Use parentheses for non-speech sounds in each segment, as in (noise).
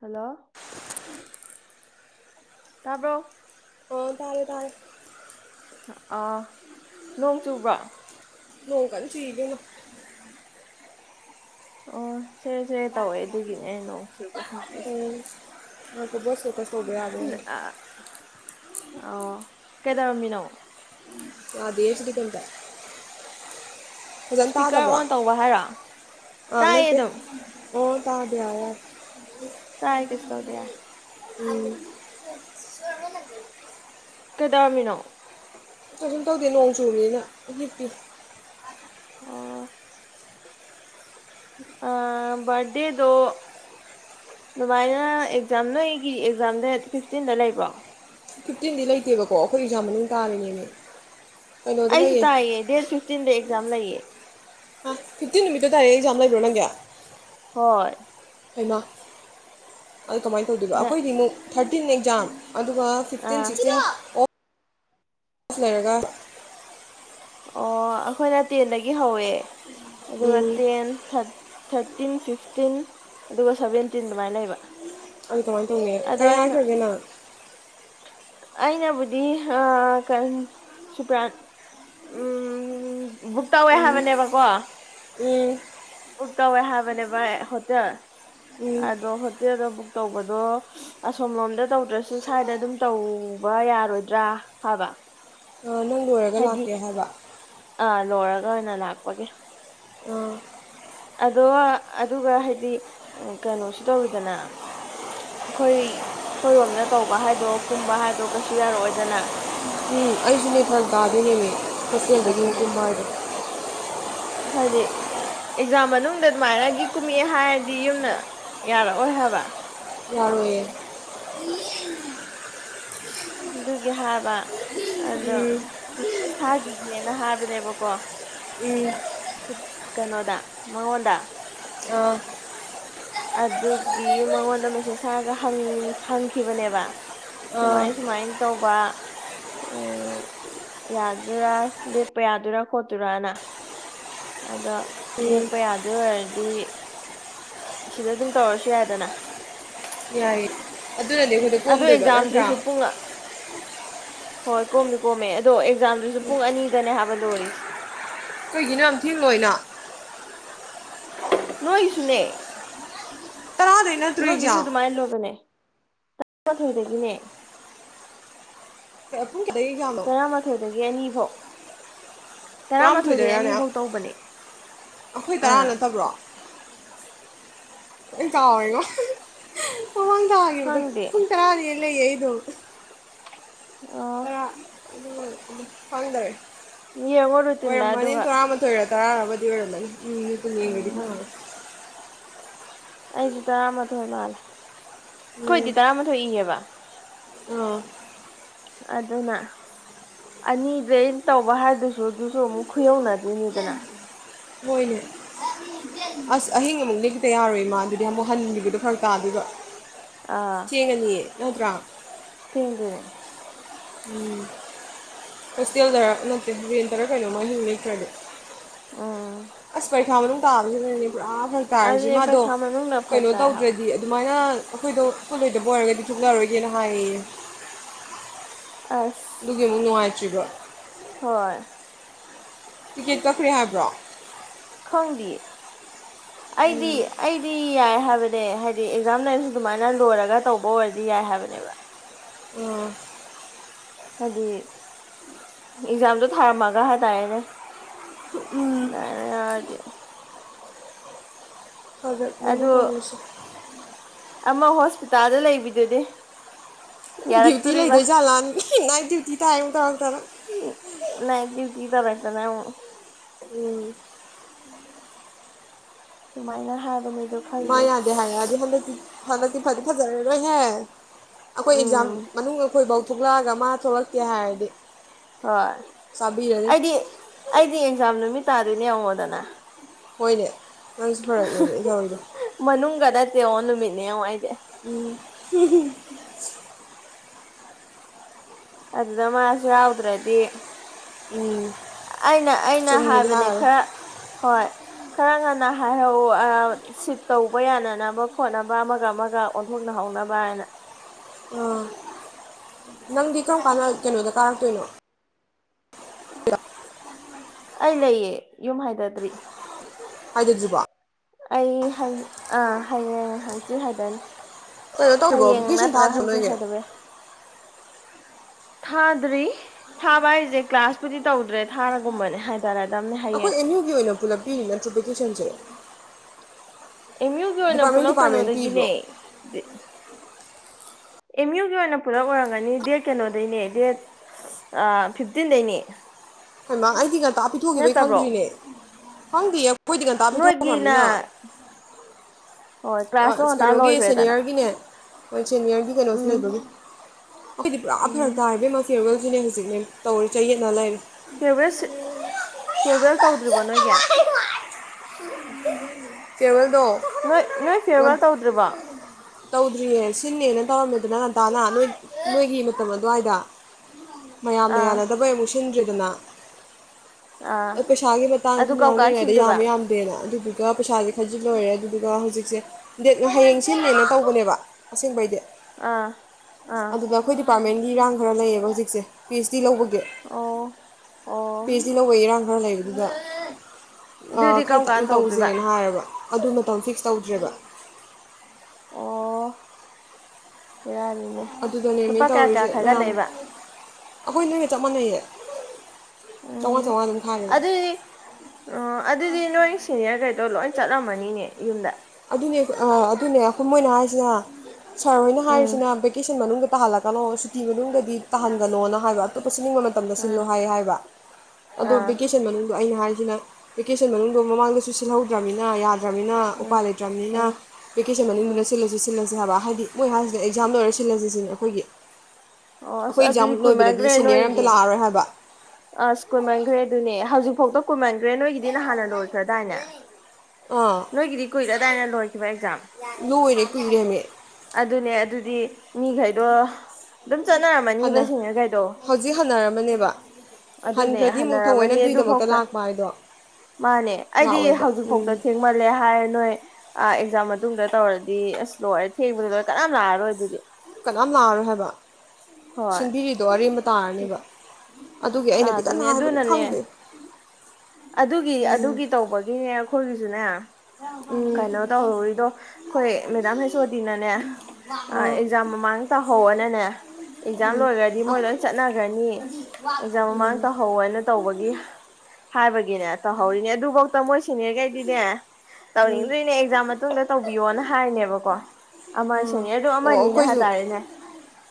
hello ꯇꯥꯕꯔꯣ ꯑꯣ ꯇꯥꯔꯦ ꯇꯥꯔꯦ ꯑꯥ ꯅꯣꯡ ꯆꯨꯕꯔꯣ ꯅꯣꯡ ꯀꯟꯅ ꯆꯨꯏ ꯏꯕꯦꯝꯃꯥ ꯑꯣ ꯁꯔꯦ ꯁꯔꯦ ꯇꯧꯋꯦ ꯑꯗꯨꯒꯤꯅꯦ ꯑꯩꯅ ꯅꯣꯡ ꯆꯨꯕ꯭ꯔꯥ ꯍꯪꯈꯛꯢꯁꯦ ꯎꯝ (unintelligible) ꯌꯥꯕ꯭ꯔꯥ ꯌꯦꯡꯒꯦ ꯑ ꯑꯣ ꯀꯩꯗꯧꯔꯝꯃꯤꯅꯣ ꯌꯥꯗꯤꯌꯦ ꯁꯤꯗꯤ ꯀꯔꯤꯝꯇ ꯐꯖꯅ ꯏꯁꯄꯤꯀꯔ ꯇꯥꯗꯕ꯭ꯔꯣ ꯑꯣꯟ ꯇꯧꯕ ꯍꯥꯏꯔꯣ ꯑꯥ ꯇꯥꯏꯌꯦ ꯅꯠꯇꯦ ꯑꯗꯨꯝ ꯑꯣ ꯇꯥꯗꯦ (inaudible) ꯇꯥꯏ ꯀꯧꯁꯨ ꯇꯧꯗꯦ ꯌꯥ ꯎꯝ ꯀꯩꯗꯧꯔꯝꯃꯤꯅꯣ ꯀꯩꯁꯨꯝ ꯇꯧꯗꯦ ꯅꯣꯡ ꯆꯨꯕꯅꯤꯅ ꯍꯤꯞꯄꯤ ꯑꯥ ꯑꯥ ꯕꯥꯔꯗꯦꯗꯣ ꯑꯗꯨꯃꯥꯏꯅ ꯑꯦꯛꯖꯥꯝ ꯅꯣꯏꯒꯤ ꯑꯦꯛꯖꯥꯝ ꯗꯦꯠ ꯐꯤꯐꯇꯤꯟꯗ ꯂꯩꯕ꯭ꯔꯣ ꯐꯤꯐꯇꯤꯟꯗꯤ ꯂꯩꯇꯦꯕꯀꯣ ꯑꯩꯈꯣꯏ ꯑꯦꯛꯖꯥꯝ ꯃꯅꯨꯡ ꯇꯥꯔꯤꯅꯦꯃꯤ ꯀꯩꯅꯣꯗ ꯑꯩꯁꯨ ꯂꯩꯌꯦ ꯇꯥꯏꯌꯦ ꯗꯦꯠ ꯐꯤꯐꯇꯤꯟꯗ ꯖꯥꯝ ꯂꯩꯌꯦ ꯐꯤꯐꯇꯤꯟ ꯅꯨꯃꯤꯠꯇꯣ ꯗꯥꯏꯔꯦꯛ ꯑꯦꯛꯖꯥꯝ ꯂꯩꯕ꯭ꯔꯣ ꯅꯪꯒꯤ ꯍꯣꯏ ꯍꯩꯃ ꯑꯗꯨ ꯀꯃꯥꯏ ꯇꯧꯗꯣꯏꯕ ꯅꯪ ꯑꯩꯈꯣꯏꯗꯤ ꯃꯨꯛ ꯊꯔꯇꯤꯟꯅꯦ ꯑꯦꯛꯖꯥꯝ ꯑꯗꯨꯒ ꯐꯤꯐꯇꯤꯟ ꯑꯥ ꯁꯤꯛꯁꯇꯤꯟ ꯑꯣꯐ ꯁꯤ ꯂꯣꯏꯔꯒ ꯑꯣ ꯑꯈꯣꯏꯅ ꯇꯦꯟꯗꯒꯤ ꯍꯧꯋꯦ ꯑꯦ ꯑꯗꯨꯒ ꯎꯝ ꯇꯦꯟ ꯊꯔ ꯊꯔꯇꯤꯟ ꯐꯤꯐꯇꯤꯟ ꯑꯗꯨꯒ ꯁꯚꯦꯟꯇꯤꯟ ꯑꯗꯨꯃꯥꯏꯅ ꯂꯩꯕ ꯑꯗꯨ ꯀꯃꯥꯏꯅ ꯇꯧꯅꯤ ꯑꯗꯣ ꯀꯩ ꯑꯩꯅ ꯍꯥꯏꯈ꯭ꯔꯒꯦ ꯅꯪ ꯑꯩꯅꯕꯨꯗꯤ ꯑꯥ ꯀꯔꯤ ꯁꯨꯄ꯭ꯔꯥꯟ ꯎꯝ ꯕꯨꯛ ꯇꯧꯋꯦ ꯍꯥꯏꯕꯅꯦꯕꯀꯣ ꯎꯝ ꯕꯨꯛ ꯇꯧꯋꯦ ꯍꯥꯏꯕꯅꯦꯕ ꯑ ꯍꯣꯇꯦꯜ ꯎꯝ ꯑꯗꯣ ꯍꯣꯇꯦꯜꯗꯣ ꯕꯨꯛ ꯇꯧꯕꯗꯣ ꯑꯁꯣꯝꯂꯣꯝꯗ ꯇꯧꯗ꯭ꯔꯁꯨ ꯁ꯭ꯋꯥꯏꯗ ꯑꯗꯨꯝ ꯇꯧꯕ ꯌꯥꯔꯣꯏꯗ꯭ꯔꯥ ꯍꯥꯏꯕ ꯨꯅꯪ ꯂꯣꯏꯔꯒ ꯍꯥꯏꯗꯤ ꯂꯥꯛꯀꯦ ꯍꯥꯏꯕ ꯑꯥ ꯂꯣꯏꯔꯒ ꯑꯣꯏꯅ ꯂꯥꯛꯄꯒꯤ ꯎꯝ ꯑꯗꯣ ꯑꯗꯨꯒ ꯍꯥꯏꯗꯤ ꯀꯩꯅꯣꯁꯨ ꯇꯧꯋꯤꯗꯅ ꯑꯩꯈꯣꯏ ꯑꯩꯈꯣꯏꯔꯣꯝꯗ ꯇꯧꯕ ꯍꯥꯏꯗꯣ ꯀꯨꯝꯕ ꯍꯥꯏꯗꯣ ꯀꯩꯁꯨ ꯌꯥꯔꯛꯑꯣꯏꯗꯅ ꯎꯝ ꯑꯩꯁꯨꯅꯦ ꯐꯔꯛ ꯇꯥꯗꯣꯏꯅꯦꯃꯤ ꯍꯣꯁꯇꯦꯜꯗꯒꯤ ꯑꯗꯨꯅꯦ ꯀꯨꯝꯕ ꯍꯥꯏꯗꯣ ꯍꯥꯏꯗꯤ ꯑꯦꯛꯖꯥꯝ ꯃꯅꯨꯡꯗ ꯑꯗꯨꯃꯥꯏꯅꯒꯤ ꯀꯨꯝꯃꯛꯑꯦ ꯍꯥꯏꯔꯗꯤ ꯌꯨꯝꯅ ꯌꯥꯔꯛꯑꯣꯏ ꯍꯥꯏꯕ ꯌꯥꯔꯣꯏꯌꯦ ꯑꯗꯨꯒꯤ ꯍꯥꯏꯕ ꯑꯗ ꯎꯝ ꯊꯥꯒꯤꯒꯦꯅ ꯍꯥꯏꯕꯅꯦꯕꯀꯣ ꯎꯝ ꯀꯩꯅꯣꯗ ꯃꯉꯣꯟꯗ ꯑ ꯑꯗꯨꯒꯤ ꯃꯉꯣꯟꯗ ꯃꯦꯁꯦꯁ ꯊꯥꯔꯒ ꯍꯪ ꯍꯪꯈꯤꯕꯅꯦꯕ ꯑꯥ ꯁꯨꯃꯥꯏ ꯁꯨꯃꯥꯏꯅ ꯇꯧꯕ ꯑ ꯌꯥꯗꯣꯏꯔꯥ ꯂꯦꯛꯄ ꯌꯥꯗꯣꯏꯔꯥ ꯈꯣꯠꯇꯣꯏꯔꯥꯅ ꯑꯗꯣ ꯎꯝ ꯂꯦꯛꯄ ꯌꯥꯗꯣꯏ ꯑꯣꯢꯔꯗꯤ ꯁꯤꯗ ꯑꯗꯨꯝ ꯇꯧꯔꯁꯨ ꯌꯥꯏꯗꯅ ꯌꯥꯏꯌꯦ ꯑꯗꯨꯅꯅꯦ ꯑꯩꯈꯣꯏꯗ ꯑꯗꯣ ꯀꯣꯝꯗꯣꯏꯕ ꯅꯠꯇ꯭ꯔꯥ ꯑꯦꯛꯖꯥꯝꯗꯨꯁꯨ ꯄꯨꯡ ꯍꯣꯏ ꯀꯣꯝꯗꯤ ꯀꯣꯝꯃꯦ ꯑꯗꯣ ꯑꯦꯛꯖꯥꯝꯗꯨꯁꯨ ꯄꯨꯡ ꯑꯅꯤꯗꯅꯦ ꯍꯥꯏꯕ ꯂꯣꯏꯔꯤꯁꯦ ꯀꯩꯒꯤꯅꯣ ꯌꯥꯝ ꯊꯦꯡꯅ ꯂꯣꯏꯅ ꯅꯣꯏꯁꯨꯅꯦ ꯇꯔꯥꯗꯩ ꯅꯠꯇ꯭ꯔꯣ ꯅꯣꯏꯒꯤꯁꯨ ꯑꯦꯛꯖꯥꯝ ꯑꯗꯨꯃꯥꯏꯅ ꯂꯣꯢꯕꯅꯦ ꯊ ꯊꯪꯗꯒꯤꯅꯦ (unintelligible) ꯑꯦꯛꯖꯥꯝꯅꯣ ꯇꯔꯥꯃꯥꯊꯣꯏꯗꯒꯤ ꯑꯅꯤ ꯐꯧ ꯇꯔꯥꯃꯥꯊꯣꯏꯗꯩꯔꯥꯅꯦ ꯑꯅꯤꯐꯧ ꯇꯧꯕꯅꯦ ꯑꯩꯈꯣꯏ ꯇꯔꯥ ꯑꯥ ꯅꯠꯇꯕ꯭ꯔꯣ ꯂꯣꯢ ꯆꯥꯎꯔꯦꯉꯣ ꯃꯃꯥꯡ ꯊꯥꯒꯤꯕꯗꯣ ꯈꯪꯗꯦ ꯄꯨꯡ ꯇꯔꯥꯅꯦꯅ ꯂꯩꯔꯤꯅꯤꯅꯦ ꯇꯧꯗꯦ ꯑꯣ ꯑ ꯄꯡꯗ꯭ꯔꯦ ꯌꯦꯡꯉꯣ ꯔꯨꯇꯤꯟ ꯑꯗꯨꯒ ꯇꯔꯥꯔ ꯑꯃꯗꯤ ꯑꯣꯢꯔꯝꯃꯅꯤ ꯎꯝ ꯔꯨꯇꯤꯟ ꯌꯦꯡꯗ꯭ꯔꯗꯤ ꯎꯝ ꯈꯪꯂꯔꯣꯢ ꯑꯩꯁꯨ ꯇꯔꯥꯃꯥꯊꯣꯏ ꯃꯥꯜꯂꯦ ꯎꯝ ꯑꯩꯈꯣꯏꯗꯤ ꯇꯔꯥꯃꯥꯊꯣꯏ ꯏꯑꯕ ꯑꯥ ꯑꯗꯨꯅ ꯑꯅꯤꯗ ꯑꯩꯅ ꯇꯧꯕ ꯍꯥꯏꯗꯨꯁꯨ ꯑꯗꯨꯁꯨ ꯑꯃꯨꯛ ꯈꯨꯌꯧꯅꯗꯣꯏꯅꯤꯗꯅ ꯍꯣꯏꯅꯦ ꯑꯁ ꯑꯍꯤꯡ ꯑꯃꯨꯛ ꯂꯦꯛꯇ ꯌꯥꯔꯣꯏ ꯃꯥ ꯑꯗꯨꯗꯤ ꯑꯃꯨꯛ ꯍꯟꯈꯤꯕꯗꯣ ꯐꯔꯛ ꯇꯥꯗꯣꯏꯕ ꯊꯦꯡꯉꯅꯤꯌꯦ ꯅꯇ꯭ꯔꯥ ꯊꯦꯡ ꯗꯣꯢꯅꯦ ꯎꯝ ꯍꯣꯁꯇꯦꯜꯗꯔ ꯅꯠꯇꯦ ꯔꯦꯟ ꯇꯔꯥ ꯀꯩꯅꯣ ꯃꯥ ꯑꯍꯤꯡ ꯂꯦꯛꯇ꯭ꯔꯗꯤ ꯎꯝ ꯑꯁ ꯄ ꯩꯈ ꯃꯅꯨꯡ ꯇꯥꯕꯗꯨꯅꯅꯦꯕ ꯄꯨꯔꯥ ꯐꯔꯛ ꯇꯥꯔꯤꯁꯦ ꯑꯗꯨꯅꯦ ꯃꯥꯗꯣ ꯄꯩꯈꯥ ꯃꯅꯨꯡꯗ ꯀꯩꯅꯣ ꯐꯔꯛ ꯇꯥꯏ ꯍꯥꯏꯕ ꯇꯧꯗ꯭ꯔꯗꯤ ꯑꯗꯨꯃꯥꯏꯅ ꯑꯩꯈꯣꯏꯗꯣ ꯀꯨꯠꯂꯣꯏꯗꯕ ꯑꯣꯏꯔꯒꯗꯤ ꯊꯣꯛꯂꯛꯑꯔꯣꯏꯒꯦꯅ ꯍꯥꯏꯌꯦꯌꯦ ꯑ ꯑꯗꯨꯒꯤ ꯅꯨꯡꯉꯥꯏꯇ꯭ꯔꯤꯕ ꯍꯣꯏ ꯇꯤꯛꯀꯦꯠ ꯀꯛꯈ꯭ꯔꯦ ꯍꯥꯏꯕ꯭ꯔꯣ ꯈꯪꯗꯤꯌꯦ ꯑꯩꯗꯤ ꯑꯩꯗꯤ ꯌꯥꯏ ꯍꯥꯏ ꯍꯥꯏꯕꯅꯦ ꯍꯥꯏꯗꯤ ꯑꯦꯛꯖꯥꯝ ꯂꯩꯔꯁꯨ ꯑꯗꯨꯃꯥꯏꯅ ꯂꯣꯏꯔꯒ ꯇꯧꯕ ꯑꯣꯏꯔꯗꯤ ꯌꯥꯏ ꯍꯥꯏꯕꯅꯦꯕ ꯎꯝ ꯍꯥꯏꯗꯤ ꯑꯦꯛꯖꯥꯝꯗꯣ ꯊꯥꯔꯝꯃꯒ ꯍꯥꯏꯇꯥꯔꯦꯅꯦ (unintelligible) ꯐꯔꯛ ꯅꯤꯅꯦ ꯑꯗꯨ ꯇꯧꯔꯤꯁꯦ ꯑꯃ ꯍꯣꯁꯄꯤꯇꯥꯜꯗ ꯂꯩꯕꯤꯗꯨꯗꯤ ꯗ꯭ꯌꯨꯇꯤ ꯌꯥꯔꯛꯇꯣꯔꯤꯕ ꯂꯩꯗꯣꯏꯖꯥꯠꯂꯟ ꯅꯥꯏꯠ ꯗꯌꯨꯇꯤ ꯇꯥꯏꯌꯦꯅ ꯑꯃꯨꯛ ꯇꯧꯔꯛꯇꯅ ꯅꯥꯏꯠ ꯗꯌꯨꯇꯤ ꯇꯧꯔꯛꯇꯅ ꯑꯃꯨꯛ ꯎꯝ ꯁꯨꯃꯥꯏꯅ ꯍꯥꯏꯕꯅꯦ ꯃꯥꯥꯏ ꯌꯥꯗꯦ ꯍꯥꯏꯔꯛ ꯑꯗꯤ ꯍꯟꯗꯛꯇꯤ ꯐꯒꯗꯤ ꯐꯗꯤ ꯐꯖꯔꯔꯣꯏꯍꯦ ꯑꯩꯈꯣꯏ ꯑꯦꯛꯖꯥꯝ ꯎꯝ ꯃꯅꯨꯡ ꯑꯩꯈꯣꯏꯐꯧ ꯊꯣꯛꯂꯛꯑꯒ ꯃꯥ ꯊꯣꯛꯂꯛꯇꯦ ꯍꯥꯏꯔꯗꯤ ꯍꯣꯏ ꯆꯥꯕꯤꯔꯅꯤ ꯑꯩꯗꯤ ꯑꯩꯗꯤ ꯑꯦꯛꯖꯥꯝ ꯅꯨꯃꯤꯠ ꯇꯥꯗꯣꯏꯅꯦ ꯌꯦꯡꯉꯣꯗꯅꯥ ꯍꯣꯏꯅꯦ ꯅꯪꯁꯨ ꯐꯔꯛꯅꯤꯅꯦ (unintelligible) ꯌꯦꯡꯉꯣ ꯅꯨꯃꯤꯠꯅꯦ ꯌꯦꯡꯉꯣ ꯑꯩꯗꯤ ꯎꯝ ꯑꯗꯨꯗ ꯃꯥꯁꯨ ꯌꯥꯎꯗ꯭ꯔꯗꯤ ꯎꯝ ꯑꯩꯅ ꯑꯩꯅ ꯆꯨꯝꯅꯗꯤ ꯍꯥꯏꯕꯅꯦ ꯍꯥꯏꯔꯔꯣꯏ ꯈꯔ ꯍꯣꯏ ꯈꯔ ꯉꯟꯅ ꯍꯥꯏꯍꯧ ꯑꯥ ꯁꯤꯞ ꯇꯧꯕ ꯌꯥꯅꯅꯕ ꯈꯣꯠꯅꯕ ꯑꯃꯒ ꯑꯃꯒ ꯑꯣꯟꯊꯣꯛꯅꯍꯧꯅꯕ ꯍꯥꯏꯅ ꯑꯥ ꯅꯪꯗꯤ ꯀꯔꯝ ꯀꯥꯟ ꯀꯩꯅꯣꯗ ꯀꯥꯔꯛꯇꯣꯏꯅꯣ ꯑꯩ ꯂꯩꯌꯦ ꯌꯨꯝ ꯍꯥꯏꯊꯗ꯭ꯔꯤ ꯍꯥꯏꯗꯗ꯭ꯔꯤꯕꯣ ꯑꯩ ꯍꯩꯪ ꯑꯥ ꯍꯌꯦꯡ ꯍꯪꯆꯤꯠ ꯍꯥꯏꯗꯅꯤ ꯀꯩꯅꯣ ꯇꯧꯔꯤꯕꯣ ꯍꯌꯦꯡ ꯚꯦꯛꯁꯟ ꯅꯠꯇ꯭ꯔꯥ ꯊꯥꯗ꯭ꯔꯤꯕꯣ ꯍꯪꯆꯤꯠ ꯅꯣꯏꯒꯤ ꯍꯥꯏꯗꯕ ꯌꯥꯏ ꯊꯥꯗ꯭ꯔꯤ ꯊꯥꯕ ꯍꯥꯏꯁꯦ ꯀ꯭ꯂꯥꯁꯄꯨꯗꯤ ꯇꯧꯗ꯭ꯔꯦ ꯊꯥꯔꯒꯨꯝꯕꯅꯦ ꯍꯥꯏꯇꯥꯔꯦ ꯑꯩꯈꯣꯏ ꯑꯦꯝ ꯌꯨꯒꯤ ꯑꯣꯏꯅ ꯄꯨꯂꯞꯄꯤꯔꯤ ꯅꯇ꯭ꯔꯣ ꯚꯦꯀꯦꯁꯟꯁꯦ ꯑꯦꯝ ꯌꯨꯒꯤ ꯑꯣꯏꯅ ꯗꯤꯄꯥꯔꯠꯃꯦꯟ ꯄꯨꯂꯞ ꯗꯤꯄꯥꯔꯠꯃꯦꯟ ꯀꯩꯅꯣꯗꯒꯤꯅꯦ ꯄꯤꯕ꯭ꯔꯣ ꯑꯦꯝ ꯌꯨꯒꯤ ꯑꯣꯏꯅ ꯄꯨꯂꯞ ꯑꯣꯏꯔꯝꯒꯅꯤ ꯗꯦꯠ ꯀꯩꯅꯣꯗꯩꯅꯦ ꯗꯦꯠ ꯏꯁ ꯑ ꯐꯤꯐꯇꯤꯟꯗꯩꯅꯦ ꯍꯩꯃꯥ ꯑꯩꯗꯤ ꯉꯟ ꯇꯥ ꯄꯤꯊꯣꯛꯈꯤꯕꯩ ꯅꯠꯇꯕ꯭ꯔꯣ ꯈꯪꯗ꯭ꯔꯤꯅꯦ ꯗꯪꯗꯤꯌꯦ ꯑꯩꯈꯣꯏꯗꯤ ꯀꯟꯇꯥ ꯅꯣꯏꯒꯤꯅ ꯄꯤꯊꯣꯛꯈ꯭ꯔꯕꯅꯤꯅ ꯍꯣꯏ ꯑ, ꯀ꯭ꯂꯥꯁꯇꯣ ꯉꯟꯇ ꯂꯣꯏꯈ꯭ꯔꯦꯗꯅ ꯆꯦꯟꯅꯤꯌꯔꯒꯤ ꯀꯩꯅꯣꯁꯤ ꯎꯝ ꯂꯩꯕꯒꯤ ꯁꯤꯗꯤ ꯄꯨꯔꯥ ꯎꯝ ꯐꯔꯛ ꯇꯥꯢ ꯏꯕꯦꯝꯃ ꯐꯦꯋꯦꯜꯖꯨ ꯍꯌꯦꯡ ꯍꯪꯖꯤꯛ ꯂꯩ ꯇꯧꯔꯦ ꯆꯌꯦꯠꯅ ꯂꯩꯔꯦ ꯐꯤꯔꯋꯦꯜꯁꯤꯠ ꯐꯤꯔꯋꯦꯜ ꯇꯧꯗ꯭ꯔꯤꯕꯣ ꯅꯣꯏꯒꯤ ꯐꯦꯌꯔꯋꯦꯜ ꯅꯣꯏ ꯅꯣꯏ ꯐꯤꯔꯋꯦꯜ ꯇꯧꯗ꯭ꯔꯤꯕꯣ ꯇꯧꯗ꯭ꯔꯤꯌꯦ ꯁꯤꯟꯅꯦꯅ ꯇꯧꯔꯝꯃꯦꯗꯅ ꯉꯟꯇꯥꯅ ꯅꯣꯏ ꯅꯣꯏꯒꯤ ꯃꯇꯝ ꯑꯗꯨꯋꯥꯏꯗ ꯃꯌꯥꯝꯅ ꯑꯥ ꯌꯥꯅꯗꯕꯩ ꯑꯃꯨꯛ ꯁꯤꯟꯗ꯭ꯔꯤ ꯀꯤꯅ ꯑꯥ ꯑ ꯄꯩꯁꯥꯒꯤ ꯃꯇꯥꯡꯁꯨ ꯑꯗꯨ ꯀꯔꯝ ꯀꯥꯟ ꯉꯥꯡꯅꯔꯤꯉꯩꯗ ꯁꯤꯟꯗꯣꯏꯕ ꯌꯥꯝꯃꯦ ꯌꯥꯝꯗꯦꯅ ꯑꯗꯨꯗꯨ ꯄꯁꯥꯖ ꯐꯁꯨ ꯂꯣꯏꯔꯦ ꯑꯗꯨꯗꯨꯒ ꯍꯧꯖꯤꯛ ꯁꯦ ꯗꯦꯠ ꯍꯌꯦꯡꯁꯦ ꯃꯦꯅꯣ ꯇꯧꯕꯅꯦꯕ ꯑꯁꯦꯡꯕꯩ ꯗꯤ ꯑꯥ ꯑꯥ ꯑꯗꯨꯒ ꯑꯩꯈꯣꯏ ꯗꯤꯄꯥꯔꯠꯃꯦꯟ ꯒꯤ ꯏꯔꯥꯡ ꯈꯔ ꯂꯩꯌꯦꯕ ꯍꯧꯖꯤꯛꯁꯦ ꯄꯤꯁ ꯇꯤ ꯂꯧꯕꯒꯤ ꯑꯣ ꯑꯣ ꯄꯤ ꯍꯩꯁ ꯗꯤ ꯂꯧꯕꯩ ꯏꯔꯥꯡ ꯈꯔ ꯂꯩꯕꯗꯨꯗ ꯑ ꯑꯗꯨꯗꯤ ꯈꯔ ꯀꯔꯝ ꯇꯞꯅ ꯀꯥꯟ ꯇꯧꯗꯣꯏꯕ ꯇꯧꯁꯦꯅ ꯍꯥꯏꯔꯕ ꯑꯗꯨ ꯃꯇꯝ ꯐꯤꯛꯁ ꯇꯧꯗ꯭ꯔꯦꯕ ꯑꯣ ꯔꯥꯟ ꯅꯦ ꯑꯗꯨꯗꯅꯦ ꯂꯨꯄꯥ ꯃꯤ ꯀꯌꯥ ꯀꯌꯥ ꯇꯧꯔꯤꯁꯦ ꯃꯌꯥꯝ ꯈꯥꯏꯒꯠꯅꯩꯕ ꯑꯩꯈꯣꯏ ꯅꯣꯏꯒ ꯆꯞ ꯃꯥꯟꯅꯩꯌꯦ ꯆꯥꯝꯃꯉꯥ ꯎꯝ ꯆꯥꯝꯃꯉꯥ ꯑꯗꯨꯝ ꯈꯥꯏꯕꯅꯦ ꯑꯗꯨꯗꯤ ꯎ ꯑꯗꯨꯗꯤ ꯅꯣꯏ ꯁꯤꯅꯤꯌꯔ ꯒꯩ ꯑꯗꯣ ꯂꯣꯏ ꯆꯠꯂꯝꯃꯅꯤꯅꯦ ꯌꯨꯝꯗ ꯑꯗꯨꯅꯦ ꯑ ꯑꯗꯨꯅꯦ ꯑꯩꯈꯣꯏ ꯃꯣꯏꯅ ꯍꯥꯏꯁꯤꯅ ꯁꯥꯔ ꯍꯣꯏꯅ ꯍꯥꯏꯔꯤꯁꯤꯅ ꯎꯝ ꯕꯦꯀꯦꯁꯟ ꯃꯅꯨꯡꯗ ꯇꯥꯍꯜꯂꯛꯀꯅꯣ ꯁꯨꯇꯤ ꯃꯅꯨꯡꯗꯗꯤ ꯇꯥꯍꯟꯒꯅꯣꯅ ꯍꯥꯏꯕ ꯑꯇꯣꯞꯄ ꯁꯤꯟꯅꯤꯡꯕ ꯃꯇꯝꯗ ꯑꯥ ꯁꯤꯜꯂꯣ ꯍꯥꯏꯌꯦ ꯍꯥꯏꯕ ꯑꯗꯣ ꯑꯥ ꯚꯦꯀꯦꯁꯟ ꯃꯅꯨꯡꯗꯣ ꯑꯩꯅ ꯍꯥꯏ ꯁꯤꯅ ꯚꯦꯀꯦꯁꯟ ꯃꯅꯨꯡꯗꯣ ꯃꯃꯥꯡꯗꯁꯨ ꯁꯤꯜꯍꯧꯗ꯭ꯔꯕꯅꯤꯅ ꯌꯥꯗ꯭ꯔꯥ ꯔꯕꯤꯅꯥ ꯎꯝ ꯎꯄꯥ ꯂꯩ ꯔꯝꯅꯤꯅ ꯎꯝ ꯚꯦꯀꯦꯁꯟ ꯃꯅꯨꯡꯗꯨ ꯎꯝ ꯁꯤꯜꯂꯁꯤ ꯁꯤꯜꯂꯁꯤ ꯍꯥꯏꯕ ꯍꯥꯏꯗꯤ ꯃꯣꯏ ꯍꯥꯏꯁꯤꯗꯤ ꯑꯦꯛꯖꯥꯝ ꯂꯣꯏꯔ ꯁꯤꯜꯂꯁꯤ ꯁꯤꯅꯤ ꯑꯩꯈꯣꯏꯒꯤ ꯑꯣ ꯑꯁ ꯑꯩꯈꯣꯏ ꯑꯦꯛꯖꯥꯝ ꯑꯗꯨꯗꯤ ꯂꯣꯏꯕꯗꯗꯤ ꯀꯨꯏꯃꯟꯈ꯭ꯔꯦ ꯁꯦꯅꯤꯌꯔ ꯑꯝꯇ ꯅꯣꯏꯗꯤ ꯂꯥꯛꯑꯔꯣꯏ ꯍꯥꯏꯕ ꯑꯁ ꯀꯨꯏꯃꯟꯈ꯭ꯔꯦ ꯑꯗꯨꯅꯦ ꯍꯧꯖꯤꯛꯐꯥꯎꯗ ꯀꯨꯝꯃꯟꯈ꯭ꯔꯦ ꯅꯣꯏꯒꯤꯗꯤꯅ ꯍꯥꯟꯅ ꯂꯣꯏꯈ꯭ꯔꯗꯥꯏꯅꯦ ꯑꯥ ꯅꯣꯏꯒꯤꯗꯤ ꯀꯨꯏꯔꯗꯥꯏꯅ ꯂꯣꯏꯈꯤꯕ ꯑꯦꯛꯖꯥꯝ ꯂꯣꯏꯔꯦ ꯀꯨꯏꯔꯦ ꯃꯤ ꯑꯗꯨꯅꯦ ꯑꯗꯨꯗꯤ ꯃꯤꯈꯩ ꯑꯗꯣ ꯑꯗꯨꯝ ꯍꯥꯟꯅ ꯆꯠꯅꯔꯝꯃꯅꯤꯕ ꯁꯦꯅꯤꯌꯔ ꯒꯩꯗꯣ ꯍꯧꯖꯤꯛ ꯍꯟꯅꯔꯝꯃꯅꯦꯕ ꯑꯗꯨꯅꯦ ꯍꯟꯈ꯭ꯔꯗꯤ ꯑꯃꯨꯛ ꯊꯑꯣꯏꯅ ꯍꯟꯅꯔꯝꯃꯅꯤ ꯑꯗꯨꯒꯤꯗꯃꯛꯇ ꯑꯗꯨꯐꯧꯛꯇ ꯂꯥꯛꯄ ꯍꯥꯏꯗꯣ ꯃꯥꯅꯦ ꯑꯩꯗꯤ ꯂꯥꯛꯑꯣꯏꯕ ꯎꯝ ꯍꯧꯖꯤꯛꯐꯥꯎꯗ ꯊꯦꯡꯃꯜꯂꯦ ꯍꯥꯏ ꯅꯣꯏ ꯑ ꯑꯦꯛꯖꯥꯝ ꯃꯇꯨꯡꯗ ꯇꯧꯔꯗꯤ ꯑꯁ ꯂꯣꯏꯔꯦ ꯊꯦꯡꯕꯗ ꯂꯣꯏꯔꯦ ꯀꯅꯥꯝ ꯂꯥꯛꯑꯔꯣꯏ ꯑꯗꯨꯗꯤ ꯀꯅꯥꯝ ꯂꯥꯛꯑꯔꯣꯏ ꯍꯥꯏꯕ ꯍꯣꯏ ꯁꯤꯟꯕꯤꯔꯤꯗꯣ ꯑꯔꯦꯝꯕꯗ ꯇꯥꯔꯅꯤꯕ ꯑꯗꯨꯒꯤ ꯑꯩꯅꯗꯤ ꯀꯟꯅ ꯇꯥꯗꯣꯏꯅꯦ ꯍꯥꯏꯕꯅꯤ ꯑꯗꯨꯅꯅꯦ ꯈꯪꯗꯦ ꯑꯗꯨꯒꯤ ꯎꯝ ꯑꯗꯨꯒꯤ ꯇꯧꯕꯒꯤꯅꯦ ꯑꯩꯈꯣꯏꯒꯤ ꯗꯨꯅꯦ ꯀꯩꯅꯣ ꯎꯝ ꯇꯧꯍꯧꯔꯤꯗꯣ ꯑꯩꯈꯣꯏ ꯃꯦꯗꯥꯝ ꯍꯦꯁꯑꯣꯗꯤꯅꯅꯦ ꯑꯥ ꯑꯦꯛꯖꯥꯝ ꯃꯃꯥꯡ ꯇꯧꯍꯧꯅꯅꯦ ꯑꯦꯛꯖꯥꯝ ꯎꯝ ꯂꯣꯏꯈ꯭ꯔꯗꯤ ꯑ ꯃꯣꯏ ꯂꯣꯏ ꯆꯠꯅꯈ꯭ꯔꯅꯤ ꯑꯦꯛꯖꯥꯝ ꯃꯃꯥꯡ ꯎꯝ ꯇꯧꯍꯧꯅ ꯇꯧꯕꯒꯤ ꯍꯥꯏꯕꯒꯤꯅꯦ ꯇꯧꯍꯧꯔꯤꯅꯦ ꯑꯗꯨꯐꯧꯗ ꯃꯣꯏ ꯁꯤꯅꯤꯌꯔ ꯒꯩꯗꯤꯅꯦ ꯎꯝ ꯇꯧꯅꯤꯡꯗ꯭ꯔꯤꯅꯦ ꯑꯦꯛꯖꯥꯝ ꯃꯇꯨꯡꯗ ꯇꯧꯕꯤꯌꯣꯅ ꯍꯥꯏꯅꯦꯕꯀꯣ ꯑꯃ ꯎꯝ ꯁꯦꯅꯤꯌꯔꯗꯨ ꯑꯣ ꯑꯃꯅꯤꯅ ꯑꯩꯈꯣꯏꯁꯨ ꯍꯥꯏꯇꯥꯔꯦꯅꯦ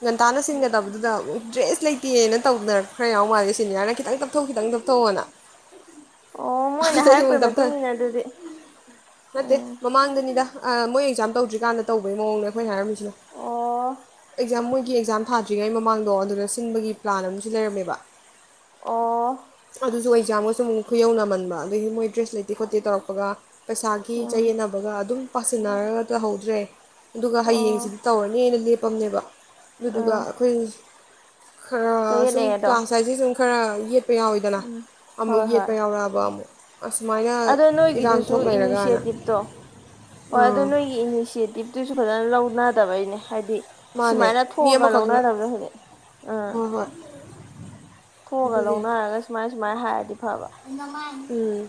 ꯉꯟꯇꯥꯅ ꯁꯤꯟꯒꯗꯕꯗꯨꯗ ꯗ꯭ꯔꯦꯁ ꯂꯩꯇꯦꯅ ꯇꯧꯗꯅ ꯈꯔ ꯌꯥꯎ ꯃꯥꯜꯂꯦ ꯁꯦꯅꯤꯌꯥꯔꯅ ꯈꯤꯇꯪ ꯇꯞꯊꯣ ꯈꯤꯇꯪ ꯇꯞꯊꯣꯑꯅ ꯑꯣ ꯃꯣꯏꯅ ꯑꯗꯩ ꯑꯃꯨꯛ ꯍꯥꯏꯔꯛꯄꯩ ꯃꯇꯨꯡ ꯇꯞꯊꯔꯦ ꯏꯟꯅ ꯑꯗꯨꯗꯤ ꯅꯠꯇꯦ ꯎꯝ ꯃꯃꯥꯡꯗꯅꯤꯗ ꯑ ꯃꯣꯏ ꯑꯦꯛꯖꯥꯝ ꯇꯧꯗ꯭ꯔꯤꯀꯥꯟꯗ ꯇꯧꯕꯩ ꯃꯑꯣꯡꯅꯦ ꯑꯩꯈꯣꯏꯅ ꯍꯥꯏꯔꯝꯃꯤꯁꯦ ꯑꯣ ꯑꯦꯛꯖꯥꯝ ꯃꯣꯏ ꯒꯤ ꯑꯦꯛꯖꯥꯝ ꯊꯥꯗ꯭ꯔꯤꯉꯩ ꯃꯃꯥꯡꯗꯣ ꯑꯗꯨꯗ ꯁꯤꯟꯕꯒꯤ ꯄ꯭ꯂꯥꯟ ꯑꯃꯁꯨ ꯂꯩꯔꯝꯃꯦꯕ ꯑꯣ ꯑꯗꯨꯁꯨ ꯑꯩ ꯌꯥꯃꯣ ꯁꯨꯝ ꯈꯨꯌꯧꯅꯃꯟꯕ ꯑꯗꯒꯤ ꯃꯣꯏ ꯗ꯭ꯔꯦꯁ ꯂꯩꯇꯦ ꯈꯣꯠꯇꯦ ꯇꯧꯔꯛꯄꯒ ꯄꯩꯁꯥꯒꯤ ꯎꯝ ꯆꯌꯦꯠꯅꯕꯒ ꯑꯗꯨꯝ ꯄꯥꯁꯤꯟꯅꯔꯒ ꯇꯧꯍꯧꯗ꯭ꯔꯦ ꯑꯗꯨꯒ ꯑꯣ ꯍꯌꯦꯡꯁꯤꯗꯤ ꯇꯧꯔꯅꯦꯅ ꯂꯦꯞꯄꯦ ꯄꯝꯅꯦꯕ ꯑꯗꯨꯗꯨꯒ ꯑꯥ ꯑꯩꯈꯣꯏ ꯈꯔ ꯁꯨꯝ ꯆꯌꯦꯠꯅꯩ ꯑꯗꯣ ꯀ꯭ꯂꯥꯡꯁꯥꯏꯁꯦ ꯁꯨ ꯈꯔ ꯌꯦꯠ ꯌꯥꯎꯏꯗꯅ ꯎꯝ ꯑꯃꯨꯛ ꯍꯣꯏ ꯌꯦ ꯍꯣꯏ ꯄ꯭ꯔꯥꯕ ꯃꯨꯛ ꯑꯗꯣ ꯅꯣꯏꯒꯤꯗꯨꯁꯨ ꯏꯅꯤꯁꯤꯌꯦꯇꯤꯞꯇꯣ ꯍꯣꯏ ꯑꯗꯣ ꯑꯥ ꯅꯣꯏꯒꯤ ꯏꯅꯤꯁꯤꯌꯦꯇꯤꯞ ꯑꯗꯨꯁꯨ ꯐꯖꯅ ꯂꯧꯅꯗꯕꯩꯅꯦ ꯍꯥꯏꯗꯤ ꯃꯥꯅꯦ ꯁꯤꯃꯥꯏꯅ ꯃꯤ ꯊꯣꯛꯑꯒ ꯑꯃꯈꯛꯅ ꯂꯧꯅꯗꯕꯅꯦ ꯍꯨꯖꯤꯛ ꯑ ꯑꯥ ꯍꯣꯏ ꯍꯣꯏ ꯊꯣꯑꯒ ꯂꯧꯅꯔꯒ ꯁꯨꯃꯥꯏ ꯃꯥꯏ ꯍꯥꯏꯔꯗꯤ ꯐꯕ ꯅꯃꯥꯏ ꯎꯝ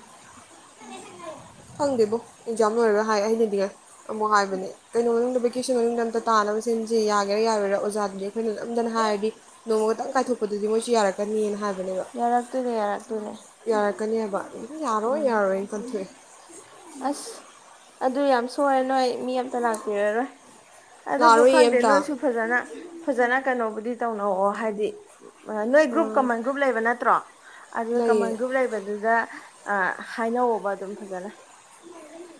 ꯈꯪꯗꯦꯕꯣ ꯑꯦꯛꯖꯥꯝ ꯂꯣꯏꯔꯒ ꯍꯥꯏ ꯑꯩꯅꯗꯤ ꯑꯃꯨꯛ ꯍꯥꯏꯕꯅꯦ ꯀꯩꯅꯣ ꯃꯅꯨꯡꯗ ꯕꯦꯀꯦꯁꯟ ꯃꯅꯨꯡꯗ ꯑꯝꯇ ꯇꯥꯅꯕ ꯁꯤꯟꯁꯦ ꯌꯥꯒꯦꯔꯥ ꯌꯥꯔꯣꯏꯔꯥ ꯑꯣꯖꯥꯗꯨꯗꯤ ꯑꯩꯈꯣꯏꯅ ꯅꯝꯗꯅ ꯍꯥꯏꯔꯗꯤ ꯅꯣꯡꯃꯈꯛꯇꯪ ꯀꯥꯏꯊꯣꯛꯄꯗꯨꯗꯤ ꯃꯣꯏꯁꯨ ꯌꯥꯔꯛꯀꯅꯤ ꯍꯥꯏꯕ ꯌꯥꯔꯛꯇꯣꯏꯅꯦ ꯌꯥꯔꯛꯇꯣꯏꯅꯦ ꯌꯥꯔꯛꯀꯅꯤ ꯍꯥꯏꯕ ꯌꯥꯔꯣꯏ ꯎꯝ ꯌꯥꯔꯣꯏꯅ ꯀꯟꯊꯣꯛꯑꯦ ꯑꯁ ꯑꯗꯨ ꯌꯥꯝ ꯁꯣꯏꯔꯦ ꯅꯣꯏ ꯃꯤ ꯑꯝꯇ ꯂꯥꯛꯄꯤꯔꯔꯣꯏ ꯑꯗꯨꯕꯨ ꯂꯥꯛꯑꯔꯣꯏꯌꯦ ꯈꯪꯗꯦ ꯑꯝꯇ ꯅꯣꯏꯁꯨ ꯐꯖꯅ ꯐꯖꯅ ꯀꯩꯅꯣꯕꯨꯗꯤ ꯇꯧꯅꯧꯑꯣ ꯍꯥꯏꯗꯤ ꯅꯣꯏ ꯒ꯭ꯔꯨꯞ ꯑꯥ ꯀꯃꯟ ꯒ꯭ꯔꯨꯞ ꯂꯩꯕ ꯅꯠꯇ꯭ꯔꯣ ꯑꯗꯨ ꯀꯃꯟ ꯂꯩꯌꯦ ꯒ꯭ꯔꯨꯞ ꯂꯩꯕꯗꯨꯗ ꯑ ꯍꯥꯏꯅꯧꯋꯣꯕ ꯑꯗꯨꯝ ꯐꯖꯅ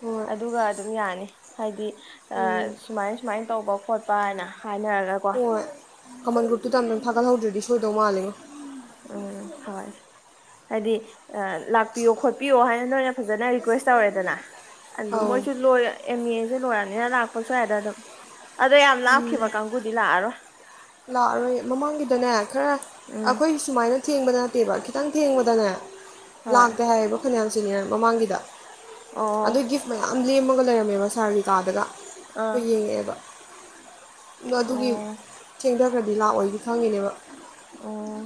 ꯍꯣꯏ ꯑꯗꯨꯒ ꯑꯗꯨꯝ ꯌꯥꯅꯤ ꯍꯥꯏꯗꯤ ꯑꯥ ꯎꯝ ꯁꯨꯃꯥꯏ ꯁꯨꯃꯥꯏꯅ ꯇꯧꯕ ꯀꯣꯠ ꯄ ꯍꯥꯏꯅ ꯍꯥꯏꯅꯔꯒꯀꯣ ꯍꯣꯏ ꯀꯃꯟ ꯒ꯭ꯔꯨꯞꯇꯨꯗ ꯑꯃꯇꯪ ꯊꯥꯒꯠꯍꯧꯗ꯭ꯔꯗꯤ ꯁꯣꯏꯗꯧ ꯃꯥꯜꯂꯤꯉꯣ ꯎꯝ ꯎꯝ ꯍꯣꯏ ꯍꯥꯏꯗꯤ ꯑ ꯂꯥꯛꯄꯤꯌꯣ ꯈꯣꯠꯄꯤꯌꯣ ꯍꯥꯏꯅ ꯅꯣꯏꯅ ꯐꯖꯅ ꯔꯤꯀ꯭ꯋꯦꯁ ꯇꯧꯔꯦꯗꯅ ꯑ ꯑꯧ ꯃꯣꯏꯁꯨ ꯂꯣꯏ ꯑꯦꯝ ꯃꯦ ꯁꯨ ꯂꯣꯏꯔ ꯍꯦꯔ ꯂꯥꯛꯄꯁꯨ ꯌꯥꯏꯗ ꯑꯗꯨꯝ ꯑꯗꯣ ꯌꯥꯝ ꯂꯥꯞꯈꯤꯕ ꯀꯥꯡꯕꯨꯗꯤ ꯂꯥꯛꯑꯔꯣꯏ ꯂꯥꯛꯑꯔꯣꯏ ꯃꯃꯥꯡꯒꯤꯗꯅꯦ ꯈꯔ ꯎꯝ ꯑꯈꯣꯏ ꯁꯨꯃꯥꯏꯅ ꯊꯦꯡꯕꯗ ꯅꯠꯇꯦꯕ ꯈꯤꯇꯪ ꯊꯦꯡꯕꯗꯅꯦ ꯍꯣꯏ ꯂꯥꯛꯇꯦ ꯍꯥꯏꯕ ꯐꯅꯥꯌꯥꯝ ꯖꯤꯅꯤꯌꯥꯔ ꯃꯃꯥꯡꯒꯤꯗꯣ ꯑꯗꯨ ꯑꯣ ꯒꯤꯐ ꯃꯌꯥꯝ ꯂꯦꯝꯃꯒ ꯂꯩꯔꯝꯃꯦꯕ ꯁꯥꯔꯒꯤꯀꯥꯗꯒ ꯑꯥ ꯍꯣꯏ ꯌꯦꯡꯉꯛꯑꯦꯕ ꯅꯗꯨꯒꯤ ꯑꯣ ꯊꯦꯡꯊꯈ꯭ꯔꯗꯤ ꯂꯥꯛꯑꯣꯏꯗꯤ ꯈꯪꯉꯤꯅꯦꯕ ꯑꯣ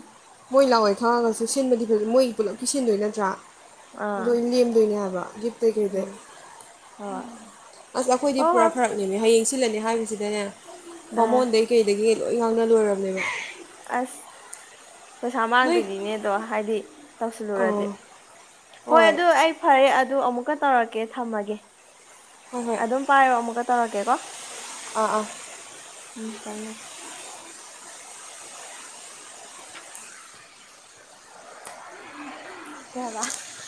ꯈꯛꯑꯒꯁꯨ ꯁꯤꯟꯕꯗꯤ ꯐꯖ ꯃꯣꯏ ꯄꯨꯂꯞꯀꯤ ꯁꯤꯟꯗꯣꯏ ꯅꯠꯇ꯭ꯔꯥ ꯑꯥ ꯑꯗꯨ ꯂꯦꯝꯗꯣꯏꯅꯦ ꯍꯥꯏꯕ ꯒꯤꯞꯇꯩ ꯀꯩꯗꯩ ꯎꯝ ꯍꯣꯏ ꯑꯁ ꯑꯈꯣꯏꯗꯤ ꯍꯣꯏ ꯄꯨꯔꯥ ꯍꯣꯏ ꯐꯔꯛꯅꯦꯃꯦ ꯍꯌꯦꯡ ꯁꯤꯜꯂꯅꯦ ꯍꯥꯏꯕꯁꯤꯗꯅꯦ ꯑꯥ ꯕꯥꯃꯣꯟ ꯗꯩ ꯀꯩꯗꯩꯩꯒꯤ ꯂꯣꯏ ꯉꯡꯅ ꯂꯣꯏꯔꯕꯃꯦꯕ ꯑꯁ ꯄꯩꯁꯥ ꯅꯣꯏ ꯃꯥꯡꯗꯣꯏꯅꯤꯅꯦ ꯑꯗꯣ ꯍꯥꯏꯗꯤ ꯇꯧꯁꯤꯜꯂꯨꯔꯗꯤ ꯑꯥ ꯍꯣꯏ ꯑꯗꯨ ꯑꯩ ꯐꯔꯦ ꯑꯗꯨ ꯑꯃꯨꯛꯀ ꯇꯧꯔꯛꯀꯦ ꯊꯝꯃꯒꯦ ꯍꯣꯏ ꯍꯣꯏ ꯑꯗꯨꯝ ꯄꯥꯏꯌꯣ ꯑꯃꯨꯛꯀ ꯇꯧꯔꯀꯦ ꯀꯩꯕꯥ ꯑꯥ ꯑꯥ ꯎꯝ ꯊꯝꯃꯦ ꯊꯝꯃꯦ ꯀꯩ ꯍꯥꯏꯕꯥ